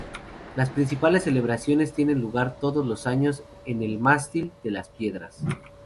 Las principales celebraciones tienen lugar todos los años en el Mástil de Las Piedras.